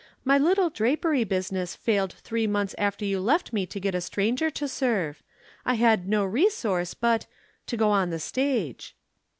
My little drapery business failed three months after you left me to get a stranger to serve. I had no resource but to go on the stage."